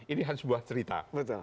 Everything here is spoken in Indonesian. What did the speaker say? ini hanya sebuah cerita